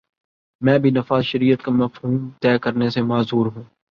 میں بھی نفاذ شریعت کا مفہوم طے کرنے سے معذور ہوں۔